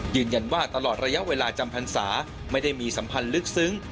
ยืนยันว่าตลอดระยะเวลาจำพรรษาไม่ได้มีสัมพันธ์ลึกซึ้ง